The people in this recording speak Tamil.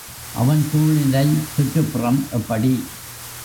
அவன் சூழ்நிலை சுற்றுப்புறம் எப்படி?